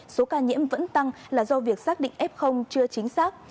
số ca nhiễm vẫn tăng là do việc xác định ép không chưa chính xác